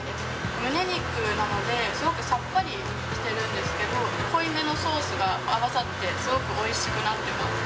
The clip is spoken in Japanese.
むね肉なのですごくさっぱりしているんですが濃いめのソースが合わさってすごくおいしくなっています。